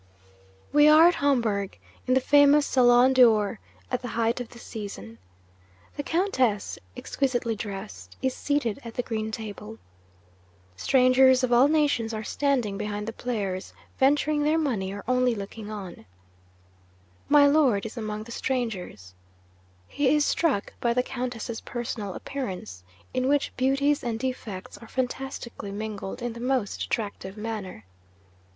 'We are at Homburg, in the famous Salon d'Or, at the height of the season. The Countess (exquisitely dressed) is seated at the green table. Strangers of all nations are standing behind the players, venturing their money or only looking on. My Lord is among the strangers. He is struck by the Countess's personal appearance, in which beauties and defects are fantastically mingled in the most attractive manner.